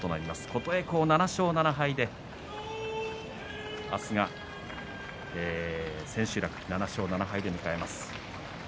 琴恵光、７勝７敗で明日の千秋楽７勝７敗で迎えます。